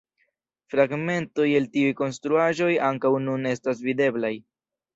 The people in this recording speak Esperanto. Fragmentoj el tiuj konstruaĵoj ankaŭ nun estas videblaj.